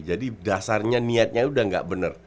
jadi dasarnya niatnya udah gak benar